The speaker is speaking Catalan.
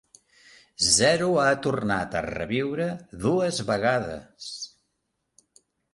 Zero ha tornat a reviure dues vegades!